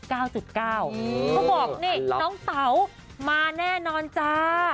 เขาบอกนี่น้องเต๋ามาแน่นอนจ้า